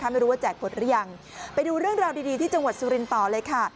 ไม่รู้ว่าแจกผลหรือยังไปดูเรื่องราวดีที่จังหวัดสุรินทร์ต่อเลยค่ะ